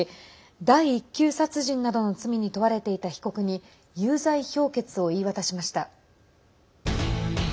第一級殺人などの罪に問われていた被告に有罪評決を言い渡しました。